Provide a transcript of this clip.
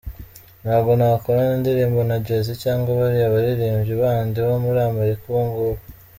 Ntabwo nakorana indirimbo na Jay Z cyangwa bariya baririmbyi bandi bo muri Amerika ubungubu.